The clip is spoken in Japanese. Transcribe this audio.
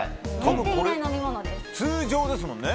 通常ですもんね。